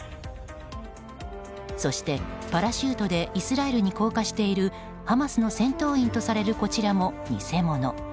そしてパラシュートでイスラエルに降下しているハマスの戦闘員とされるこちらも偽物。